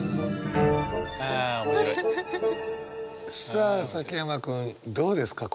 さあ崎山君どうですか？